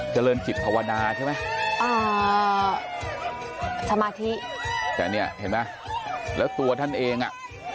เจริญจิตภาวนาใช่ไหมอ่าสมาธิแต่เนี่ยเห็นไหมแล้วตัวท่านเองอ่ะ